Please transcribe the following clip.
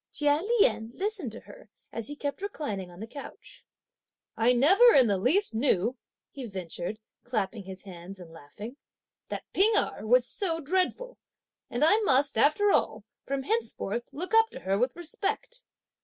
Chia Lien listened to her, as he kept reclining on the couch. "I never in the least knew," he ventured, clapping his hands and laughing, "that P'ing Erh was so dreadful; and I must, after all, from henceforth look up to her with respect!"